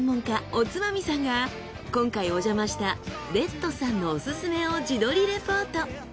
おつまみさんが今回おじゃました赤燈さんのオススメを自撮りレポート。